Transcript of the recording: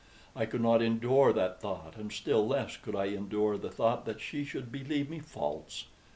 I could not endure that thought, and still less could I endure the thought that she should believe me false.